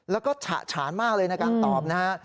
แล้วก็ฉะฉานมากเลยในการตอบนะฮะ